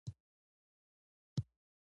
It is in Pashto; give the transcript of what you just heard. هلک د عدالت ملاتړ کوي.